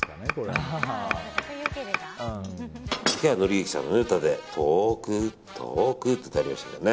槇原敬之さんの歌で「遠く遠く」って歌ありましたけど。